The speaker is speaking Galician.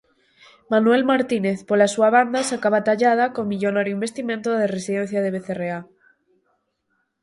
Manuel Martínez, pola súa banda, sacaba tallada co millonario investimento da residencia de Becerreá.